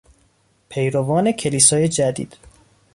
پیروان کلیسای جدید